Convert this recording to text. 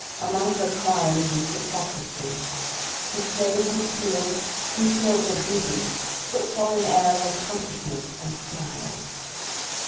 Among her crimes is hypocrisy. She slays and steals, conceals her booty, puts on an air of unconsciousness, and smiles.